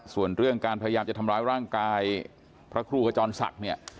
ส่วนเรื่องการพยายามจะทำร้ายร่างกายพระครูขจรศักดิ์เนี่ย